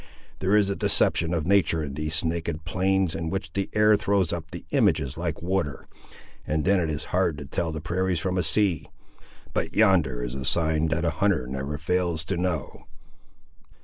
There is a deception of natur' in these naked plains, in which the air throws up the images like water, and then it is hard to tell the prairies from a sea. But yonder is a sign that a hunter never fails to know!"